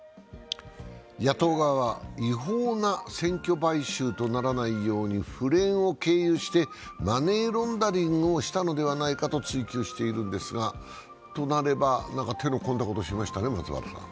野党側は違法な選挙買収とならないように府連を系譜してマネーロンダリングをしたのではないかと追及しているんですが、となれば手の込んだことをしましたね。